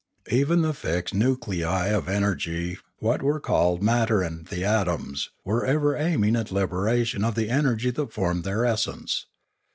Even the fixed nuclei of energy, what were called matter and the atoms, were ever aiming at liberation of the energy that formed their essence..